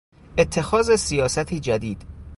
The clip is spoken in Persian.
اتخاذ سیاستی جدید